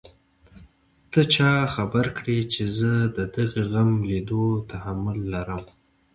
ته چا خبره کړې چې زه د دې غم ليدو تحمل لرم.